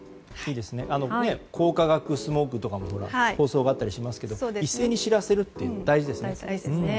光化学スモッグなども放送があったりしますが一斉に知らせるというのも大事ですもんね。